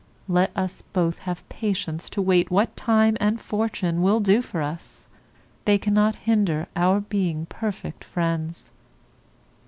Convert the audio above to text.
Let us both have patience to wait what time and fortune will do for us; they cannot hinder our being perfect friends.